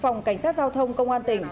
phòng cảnh sát giao thông công an tỉnh